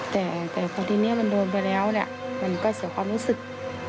แต่พอทีนี้มันโดนไปแล้วเนี่ยมันก็เสียความรู้สึก